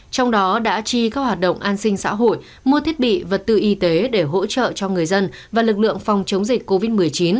trong đó đã chi các hoạt động an sinh xã hội mua thiết bị vật tư y tế để hỗ trợ cho người dân và lực lượng phòng chống dịch covid một mươi chín